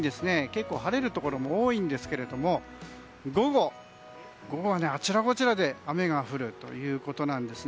結構晴れるところも多いんですけれども午後はあちらこちらで雨が降るということです。